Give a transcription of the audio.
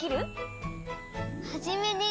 「はじめに」